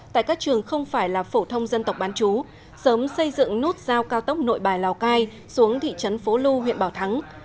tại các trường không phải là phổ thông dân tộc bán chú sớm xây dựng nút giao cao tốc nội bài lào cai xuống thị trấn phố lu huyện bảo thắng